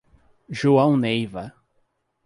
João Neiva